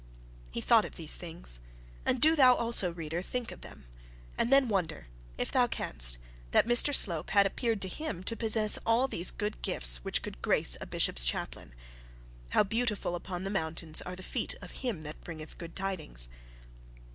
He thought of all these things; and do thou also, reader, think of them, and then wonder, if thou canst, that Mr Slope had appeared to him to possess all those good gifts which would grace a bishop's chaplain. 'How beautiful upon the mountains are the feet of him that bringeth good tidings.'